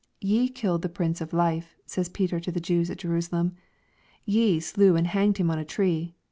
" Ye killed the Prince of life," says Peter to the Jews at Jerusalem. " Ye slew and hanged him on a tree.''